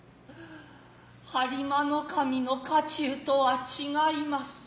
播磨守の家中とは違ひます。